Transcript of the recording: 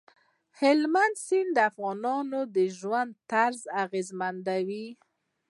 هلمند سیند د افغانانو د ژوند طرز اغېزمنوي.